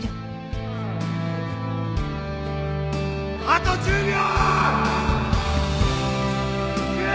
あと１０秒！！